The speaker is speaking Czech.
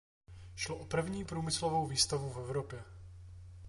Šlo o první průmyslovou výstavu v Evropě.